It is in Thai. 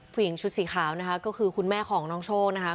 ผู้หญิงชุดสีขาวนะคะก็คือคุณแม่ของน้องโชคนะคะ